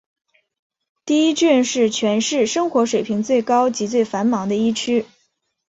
第一郡是全市生活水平最高及最繁忙的一区。